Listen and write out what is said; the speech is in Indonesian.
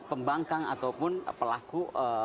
pembangkang ataupun pelaku